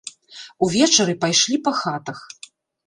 Увечары пайшлі па хатах.